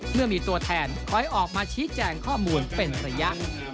เมื่อมีตัวแทนคอยออกมาชี้แจงข้อมูลเป็นระยะ